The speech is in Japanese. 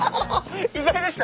意外でした？